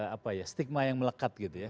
apa ya stigma yang melekat gitu ya